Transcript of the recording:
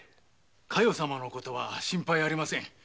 加代様のことは心配ありません。